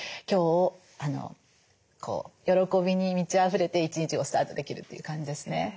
今日喜びに満ちあふれて一日をスタートできるという感じですね。